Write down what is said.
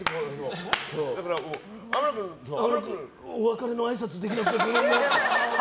天野君、お別れのあいさつできなくてごめんねって。